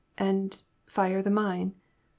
" And— fire the mine ?